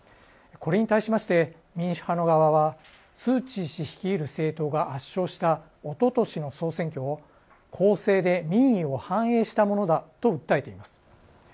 これに対しまして、民主派の側はスー・チー氏率いる政党が圧勝したおととしの総選挙を公正で民意を反映したものだと訴えています。